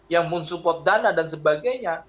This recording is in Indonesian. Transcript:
yang men support dana dan sebagainya